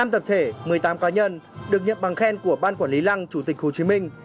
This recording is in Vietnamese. một mươi tập thể một mươi tám cá nhân được nhận bằng khen của ban quản lý lăng chủ tịch hồ chí minh